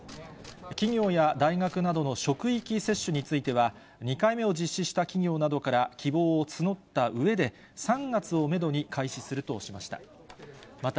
企業や大学などの職域接種については、２回目を実施した企業などから希望を募ったうえで、３月をメドに開始するとしました。